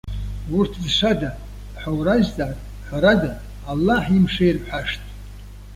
Урҭ зшада? ҳәа уразҵаар, ҳәарада, Аллаҳ имшеи рҳәашт.